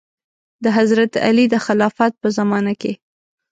د حضرت علي د خلافت په زمانه کې.